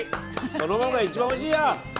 そのままが一番おいしいや！